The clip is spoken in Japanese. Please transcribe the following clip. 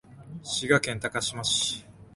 滋賀県高島市